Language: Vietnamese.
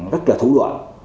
rất là thủ đoạn